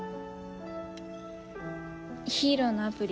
ヒーローのアプリ